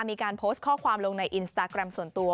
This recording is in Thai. มีการโพสต์ข้อความลงในอินสตาแกรมส่วนตัว